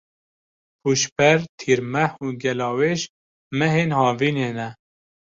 Pûşber, Tîrmeh û Gelawêj mehên havînê ne.